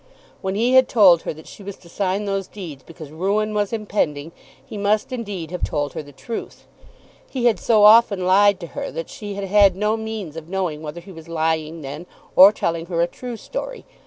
When he had told her that she was to sign those deeds because ruin was impending, he must indeed have told her the truth. He had so often lied to her that she had had no means of knowing whether he was lying then or telling her a true story.